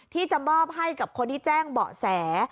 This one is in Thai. ที่จะมอบให้กับคนที่แจ้งเบาะแส